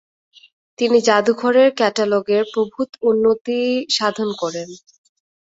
তিনি জাদুঘরের ক্যাটালগের প্রভূত উন্নতি সাধন করেন।